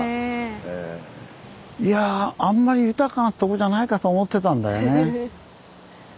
いやぁあんまり豊かなとこじゃないかと思ってたんだよね。